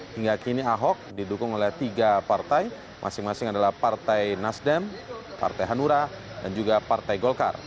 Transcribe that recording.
hingga kini ahok didukung oleh tiga partai masing masing adalah partai nasdem partai hanura dan juga partai golkar